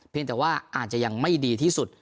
เพียงแต่ว่าอาจจะอย่างไม่ดีที่สุด